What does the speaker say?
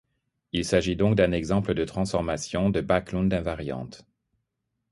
Il s'agit donc d'un exemple de transformation de Bäcklund invariante.